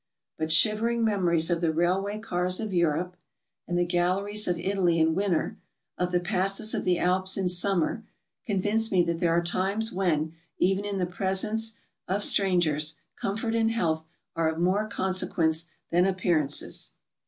But shiver ing memories of the railway cars of Europe and the galleries of Italy in winter, of the passes of the Alps in summer, convince me that there are times when, even in the presence of strangers, comfort and health are of more consequence than appearances.